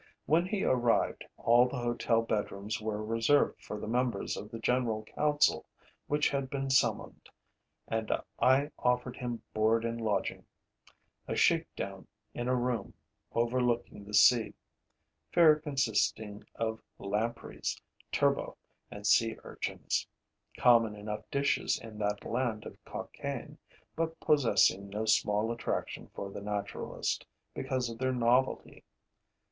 When he arrived, all the hotel bedrooms were reserved for the members of the general council which had been summoned; and I offered him board and lodging: a shakedown in a room overlooking the sea; fare consisting of lampreys, turbot and sea urchins: common enough dishes in that land of Cockayne, but possessing no small attraction for the naturalist, because of their novelty.